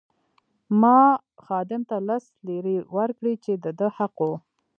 ما خادم ته لس لیرې ورکړې چې د ده حق وو.